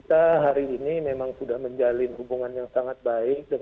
terima kasih pak